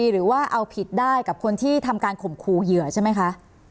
หรือว่าเอาผิดได้กับคนที่ทำการข่มขู่เหยื่อใช่ไหมคะ